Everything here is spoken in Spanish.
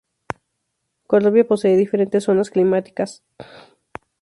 Colombia posee diferentes zonas climáticas.